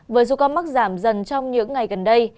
với số ca mắc giảm dần trong những ngày gần đây